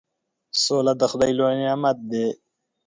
سوله د خدای لوی نعمت دی.